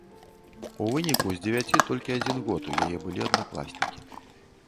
У выніку з дзевяці толькі адзін год у яе былі аднакласнікі.